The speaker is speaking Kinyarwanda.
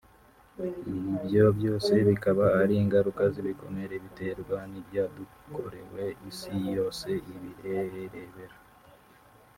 Ibyo byose bikaba ari ingaruka z’ibikomere biterwa n’ibyadukorewe isi yose irebera